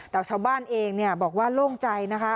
แต่ชาวบ้านเองบอกว่าโล่งใจนะคะ